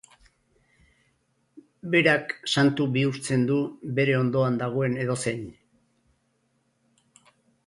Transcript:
Berak santu bihurtzen du bere ondoan dagoen edozein.